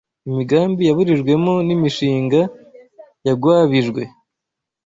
imigambi yaburijwemo n’imishinga yagwabijwe